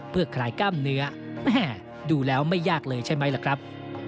เพื่อคลายกล้ามเนื้อแม่ดูแล้วไม่ยากเลยใช่ไหมล่ะครับ